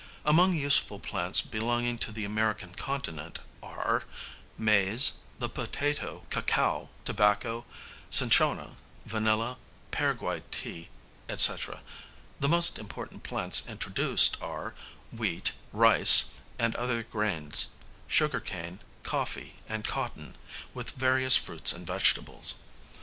Among useful plants belonging to the American continent are maize, the potato, cacao, tobacco, cinchona, vanilla, Paraguay tea, &c. The most important plants introduced are wheat, rice, and other grains, sugar cane, coffee, and cotton, with various fruits and vegetables.